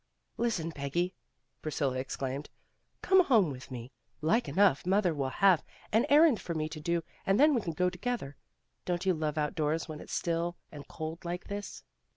"Listen, Peggy," Priscilla exclaimed. "Come home with me. Like enough mother will have an errand for me to do and then we can go to gether. Don't you love outdoors when it's still and cold like this?"